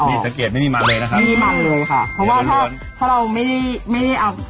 เพราะว่าถ้าเราไม่ได้เอา